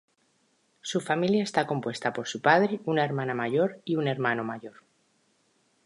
Su familia está compuesta por su padre, una hermana mayor y un hermano mayor.